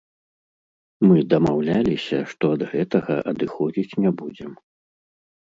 Мы дамаўляліся, што ад гэтага адыходзіць не будзем.